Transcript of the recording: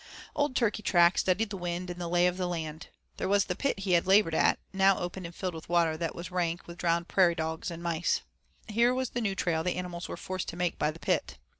Old Turkeytrack studied the wind and the lay of the land. There was the pit he had labored at, now opened and filled with water that was rank with drowned prairie dogs and mice. Here was the new trail the animals were forced to make by the pit.